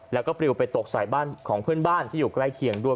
แล้วก็ปลิวไปตกใส่บ้านของเพื่อนบ้านที่อยู่ใกล้เคียงด้วย